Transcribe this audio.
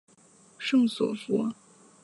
圣索弗。